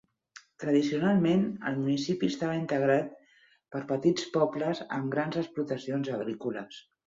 Tradicionalment, el municipi estava integrat per petits pobles amb grans explotacions agrícoles.